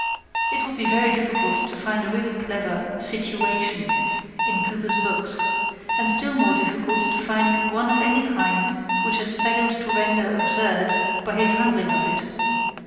It would be very difficult to find a really clever "situation" in Cooper's books, and still more difficult to find one of any kind which he has failed to render absurd by his handling of it.